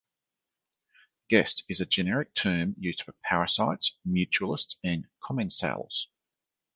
Guest is the generic term used for parasites, mutualists and commensals.